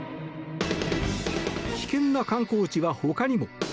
危険な観光地は他にも。